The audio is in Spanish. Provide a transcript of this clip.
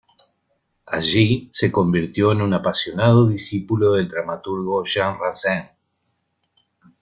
Allí, se convirtió en un apasionado discípulo del dramaturgo Jean Racine.